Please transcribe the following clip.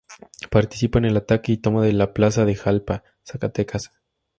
Participa en el ataque y toma de la plaza de Jalpa, Zacatecas.